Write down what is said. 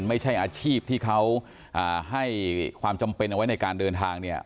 ไม่ใช่อาชีพที่เขาให้ความจำเป็นเอาไว้ในการเดินทางเนี่ย